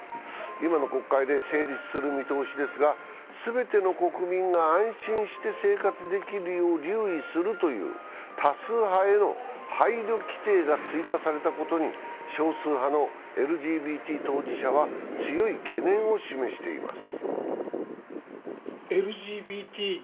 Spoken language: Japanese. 今の国会で成立する見通しですが、全ての国民が安心して生活できるよう留意するという、多数派への配慮規定が追加されたことに少数派のＬＧＢＴ当事者は強い懸念を示しています。